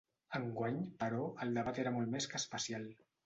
Enguany, però, el debat era molt més que especial.